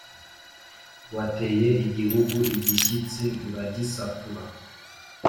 wateye igihugu igishyitsi uragisatura